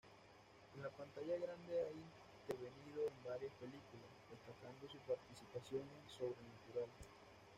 En la pantalla grande ha intervenido en varias películas, destacando su participación en "Sobrenatural".